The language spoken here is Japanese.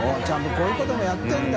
こういうこともやってるんだ。